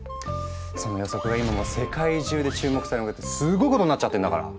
その予測が今もう世界中で注目されまくってすごいことになっちゃってるんだから。